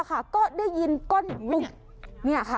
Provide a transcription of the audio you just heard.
ก็ได้ยินก้นปลุก